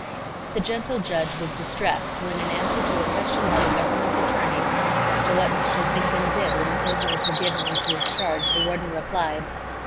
] The gentle judge was distressed when in answer to a question by the government's attorney as to what Mr. Zinkhan did when the prisoners were given into his charge, the warden replied: A.